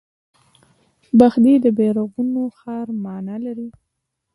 بخدي د بیرغونو ښار مانا لري